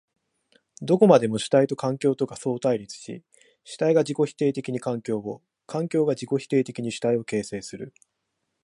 どこまでも主体と環境とが相対立し、主体が自己否定的に環境を、環境が自己否定的に主体を形成する。